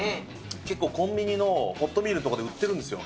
結構コンビニのホットミールの所で売ってるんですよ。